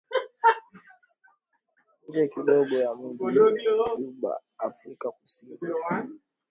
nje kidogo ya mji juba Afrika Kusini